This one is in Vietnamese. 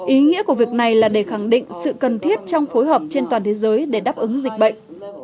ý nghĩa của việc này là để khẳng định sự cần thiết trong phối hợp trên toàn thế giới để đáp ứng dịch bệnh